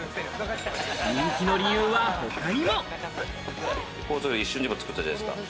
人気の理由は他にも。